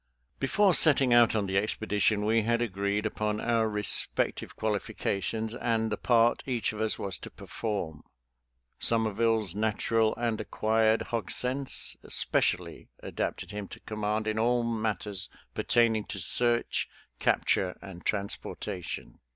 Before setting out on the expedition we had agreed upon our respective qualifications and the part each of us was to perform. Somerville's natural and acquired hog sense specially adapted him to command in all matters pertain ing to search, capture, and transportation.